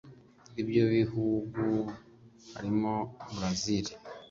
Ibyo bihugu harimo Brazil